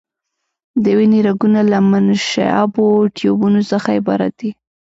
د وینې رګونه له منشعبو ټیوبونو څخه عبارت دي.